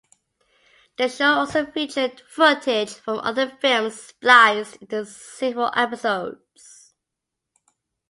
The show also featured footage from other films spliced into several episodes.